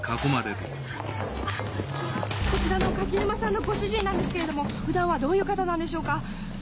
こちらの垣沼さんのご主人なんですが普段はどういう方なんでしょうか？